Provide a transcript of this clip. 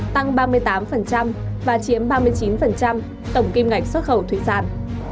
tăng ba mươi tám và chiếm ba mươi chín tổng kim ngạch xuất khẩu thủy sản